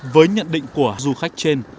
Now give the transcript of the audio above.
với nhận định của du khách trên